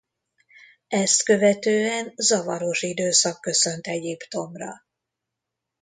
Ezt követően zavaros időszak köszönt Egyiptomra.